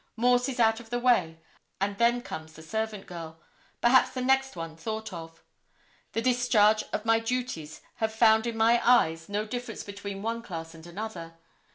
Morse is out of the way and then comes the servant girl, perhaps the next one thought of. The discharge of my duties have found in my eyes no difference between one class and another.